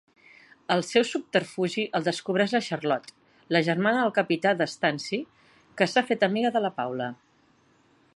El seu subterfugi el descobreix la Charlotte, la germana del capità De Stancy, que s'ha fet amiga de la Paula.